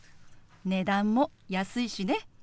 値段も安いしね。